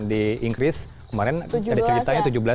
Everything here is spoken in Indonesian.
di inggris kemarin ada ceritanya tujuh belas jam ya